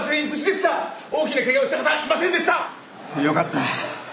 よかった。